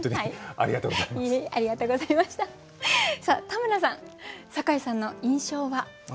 さあ田村さん酒井さんの印象は？